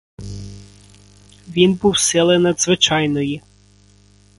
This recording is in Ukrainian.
Він був сили надзвичайної.